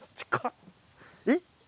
えっ？